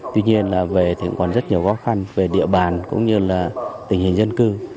tuy nhiên là về thịnh quản rất nhiều góp khăn về địa bàn cũng như là tình hình dân cư